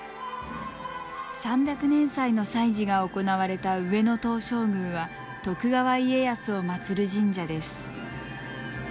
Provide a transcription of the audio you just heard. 三百年祭の祭事が行われた上野東照宮は徳川家康をまつる神社です。